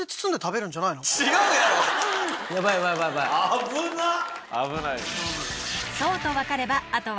危なっ！